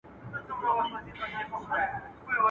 خر د خنکيانې په خوند څه پوهېږي.